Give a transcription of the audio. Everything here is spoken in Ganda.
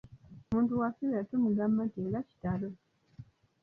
Omuntu bw'afiirwa tumugamba nti nga kitalo!